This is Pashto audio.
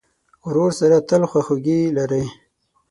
ورور سره تل خواخوږی لرې.